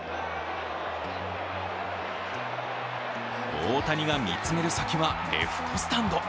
大谷が見つめる先はレフトスタンド。